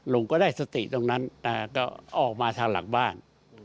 ลุงก็ได้สติตรงนั้นแต่ก็ออกมาทางหลังบ้าน